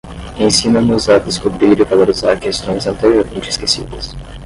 Ensina-nos a descobrir e valorizar questões anteriormente esquecidas.